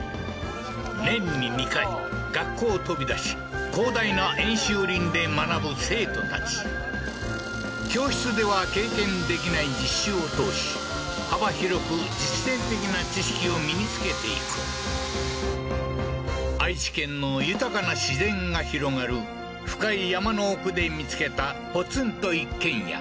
年に２回学校を飛び出し広大な演習林で学ぶ生徒たち教室では経験できない実習を通し幅広く実践的な知識を身につけていく愛知県の豊かな自然が広がる深い山の奥で見つけたポツンと一軒家